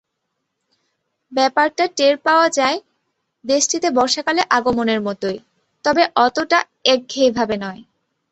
ব্যাপারটা টের পাওয়া যায় দেশটিতে বর্ষাকালের আগমনের মতোই, তবে অতটা একঘেয়েভাবে নয়।